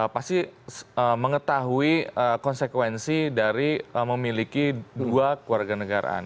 pasti mengetahui konsekuensi dari memiliki dua keluarga negaraan